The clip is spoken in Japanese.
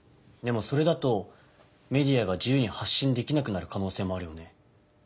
でもそれだとメディアが自由に発信できなくなるかのうせいもあるよね。